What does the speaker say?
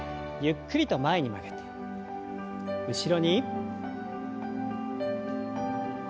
ゆっくりと前に曲げて後ろに。